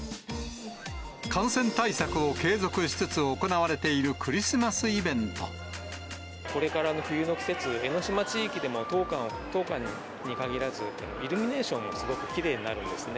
感染対策を継続しつつ行われこれからの冬の季節、江の島地域でも当館に限らず、イルミネーションがすごくきれいになるんですね。